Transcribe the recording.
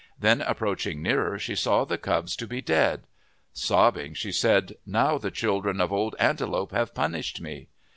Then approaching nearer she saw the cubs to be dead. Sobbing, she said, " Now the children of Old Antelope have punished me."